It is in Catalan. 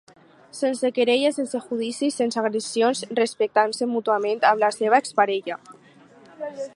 Sense querelles, sense judicis, sense agressions, respectant-se mútuament amb la seva ex-parella.